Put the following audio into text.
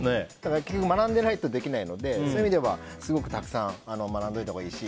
結局、学んでいないとできないので、そういう意味ではすごくたくさん学んでおいたほうがいいし。